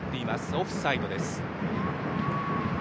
オフサイドです。